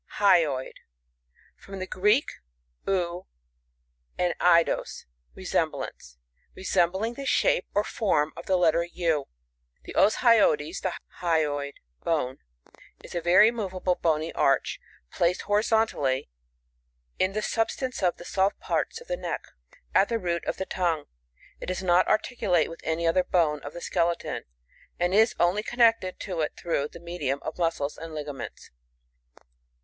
Hyoid. — From the Greek, tf, and etc^os, resemblance. Resembling the shape or form of the letter U. The Os hyoides, the hyoid bone, is a very moveable bony arch, placed horizontally, in the substance of the soft parts of the neck, at the root of the tongue. It does not articu late with any other bone of the skeleton, and is only connected to it through the medium of muscles and ligaments.